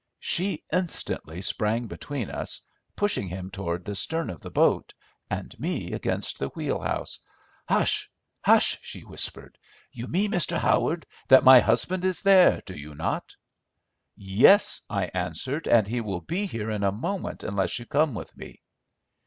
She instantly sprang between us, pushing him toward the stern of the boat, and me against the wheelhouse. "'Hush, hush,' she whispered; 'you mean, Mr. Howard, that my husband is there, do you not?' "'Yes,' I answered, 'and he will be here in a moment unless you come with me.